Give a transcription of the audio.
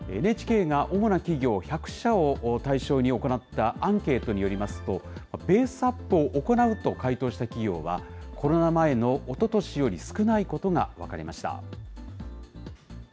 ＮＨＫが主な企業１００社を対象に行ったアンケートによりますと、ベースアップを行うと回答した企業は、コロナ前のおととしより少ないことが分かりました。